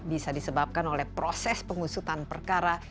bisa disebabkan oleh proses pengusutan perkara